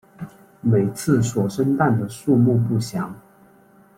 每次所生蛋的数目不详。